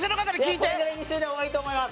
いやこれぐらいにしといた方がいいと思います